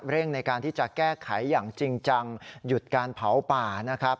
ในการที่จะแก้ไขอย่างจริงจังหยุดการเผาป่านะครับ